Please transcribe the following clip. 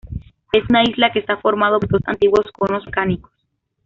Es una isla que está formado por dos antiguos conos volcánicos.